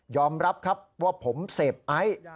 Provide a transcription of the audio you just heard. รับครับว่าผมเสพไอซ์